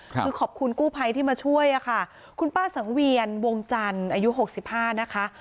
คือขอบคุณกู้ภัยที่มาช่วยอะค่ะคุณป้าสังเวียนวงจันทร์อายุหกสิบห้านะคะ